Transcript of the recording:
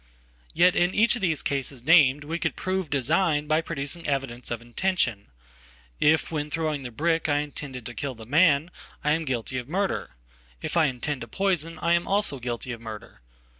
Yet in each of these cases named we could prove design byproducing evidence of intention. If when throwing the brick Iintended to kill the man, I am guilty of murder. If I intend topoison, I am also guilty of murder.